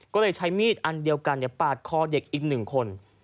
ก็เลยใช้มีดอันเดียวกันปาดคอเด็กอีก๑คน